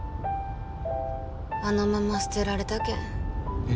あのまま捨てられたけんえっ？